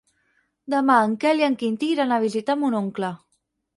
Demà en Quel i en Quintí iran a visitar mon oncle.